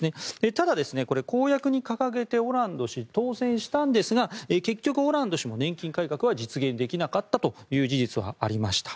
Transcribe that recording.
ただ、公約に掲げてオランド氏が当選したんですが結局、オランド氏も年金改革は実現できなかったという事実はありました。